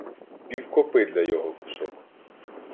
Півкопи для його кусок!..